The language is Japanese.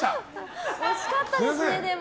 惜しかったですね、でも。